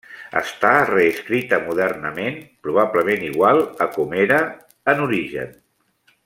Està reescrita modernament, probablement igual a com era en origen.